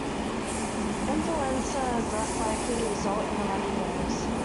Influenza is less likely to result in a runny nose.